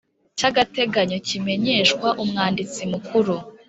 Cy agateganyo kimenyeshwa umwanditsi mukuru